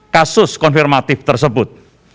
kasus konfirmatif tersebut